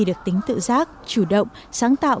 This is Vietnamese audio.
được tính tự giác chủ động sáng tạo